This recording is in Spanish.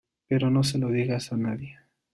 pero no se lo digas a nadie.